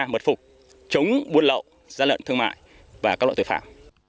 mật phục chống buôn lậu gian lận thương mại và các loại tội phạm